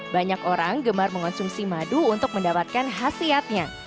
banyak orang gemar mengonsumsi madu untuk mendapatkan khasiatnya